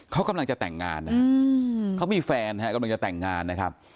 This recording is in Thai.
เขากำลังจะแต่งงานนะเขามีแฟนฮะกำลังจะแต่งงานนะครับ